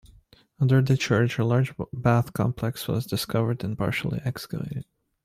Under the church, a large bath complex was discovered and partially excavated.